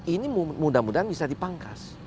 ini mudah mudahan bisa dipangkas